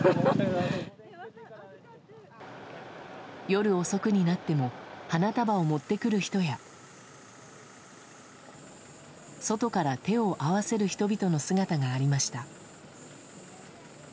夜遅くになっても花束を持ってくる人や外から手を合わせる人々の姿がありました。